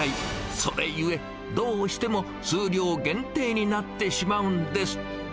それゆえ、どうしても数量限定になってしまうんです。